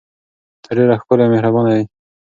ته ډیره ښکلې او مهربانه یې.